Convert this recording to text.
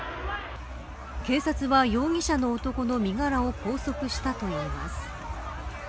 警察は容疑者の男の身柄を拘束したといいます。